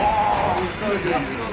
おいしそうですね。